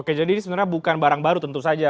oke jadi ini sebenarnya bukan barang baru tentu saja